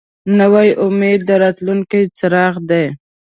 نوی امید د راتلونکي څراغ دی